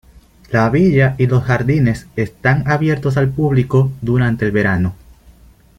La villa y los jardines están abiertos al público durante el verano.